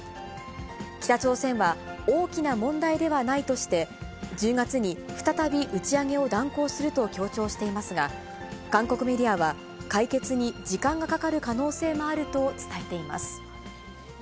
北朝鮮は、大きな問題ではないとして、１０月に再び、打ち上げを断行すると強調していますが、韓国メディアは、解決に時間がかかる可能性もあると伝えています。